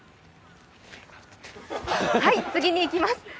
はい、次にいきます。